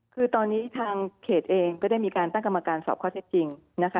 คือตอนนี้ทางเขตเองก็ได้มีการตั้งกรรมการสอบข้อเท็จจริงนะคะ